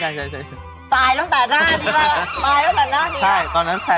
ก็ตอนแรกเราก็บอกว่า